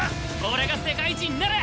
俺が世界一になる！